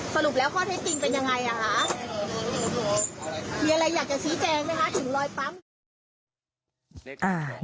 สรุปแล้วข้อเท็จจริงเป็นยังไงอ่ะคะมีอะไรอยากจะชี้แจงไหมคะถึงรอยปั๊ม